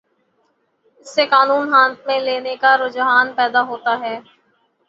اس سے قانون ہاتھ میں لینے کا رجحان پیدا ہوتا ہے۔